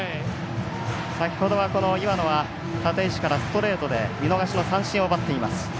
先ほどは岩野は立石からストレートで見逃し三振を奪っています。